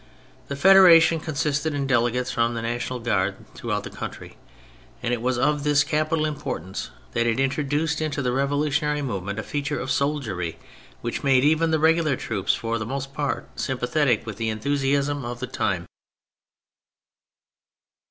This federation consisted in delegates from the National Guard through out the country, and it was of this capital importance : that it introduced into the revolutionary movement a feature of soldiery which made even the regular troops for the most part sympathetic with the enthusiasm of the time.